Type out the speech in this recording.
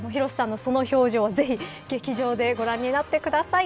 広瀬さんのその表情をぜひ劇場でご覧になってください。